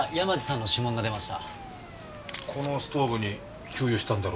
このストーブに給油したんだろうな。